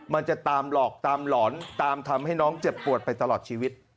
มันจะตามหลอกตามหลอนตามทำให้น้องเจ็บปวดไปตลอดชีวิต